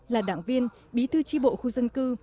là đảng viên bí thư tri bộ khu dân cư